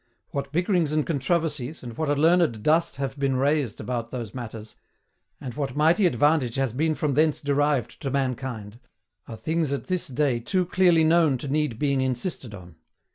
What bickerings and controversies, and what a learned dust have been raised about those matters, and what mighty advantage has been from thence derived to mankind, are things at this day too clearly known to need being insisted on.